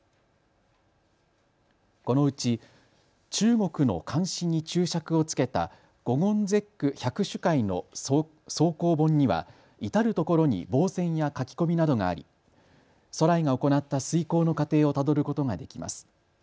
このうち中国の漢詩に注釈をつけた五言絶句百首解の草稿本には至る所に傍線や書き込みなどがあり徂徠が行った推こうの過程をたどることができます。